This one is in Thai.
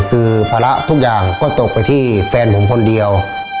คือภาระทุกอย่างก็ตกไปที่แฟนผมคนเดียว